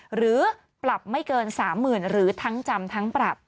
หรือปรับไม่เกิน๓๐๐๐๐หรือทั้งจำทั้งปรับ